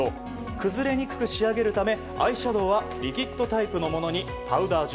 崩れにくく仕上げるためアイシャドーはリキッドタイプのものにパウダー状